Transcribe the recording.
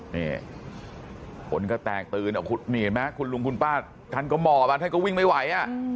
นี่คนก็แตกตื่นนี่เห็นไหมคุณลุงคุณป้าท่านก็หมอบท่านก็วิ่งไม่ไหว